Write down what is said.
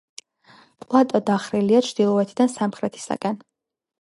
პლატო დახრილია ჩრდილოეთიდან სამხრეთისაკენ.